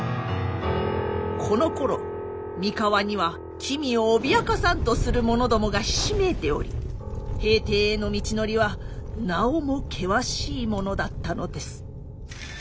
このころ三河には君を脅かさんとする者どもがひしめいており平定への道のりはなおも険しいものだったのです。